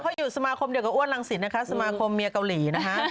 เขาอยู่สมาคมเดียวกับอ้วนรังศิษย์นะคะสมาคมเมียเกาหลีนะคะ